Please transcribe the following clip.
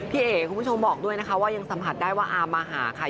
เอ๋คุณผู้ชมบอกด้วยนะคะว่ายังสัมผัสได้ว่าอามมาหาค่ะ